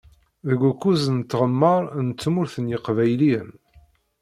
Deg ukuẓ n tɣemmar n tmurt n Yiqbayliyen.